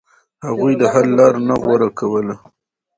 هغوی د حل لار نه غوره کوله.